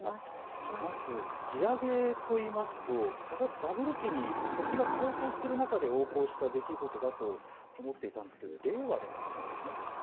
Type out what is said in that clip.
まず地上げといいますとバブル期に土地が高騰する中で横行した出来事だと思っていたんですけど令和でもなんですね。